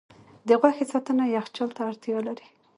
د غوښې ساتنه یخچال ته اړتیا لري.